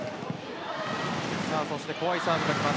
そして怖いサーブがきます。